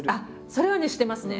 それはねしてますね。